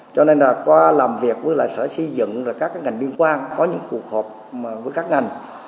cho nên là qua làm việc với lại sở xây dựng các ngành biên quan có những phù hợp với các ngành